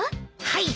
はい。